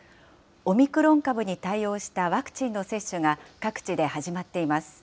オミクロン株に対応したワクチンの接種が、各地で始まっています。